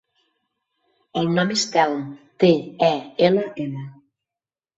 El nom és Telm: te, e, ela, ema.